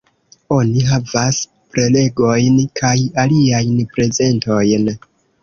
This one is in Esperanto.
Oni havas prelegojn kaj aliajn prezentojn.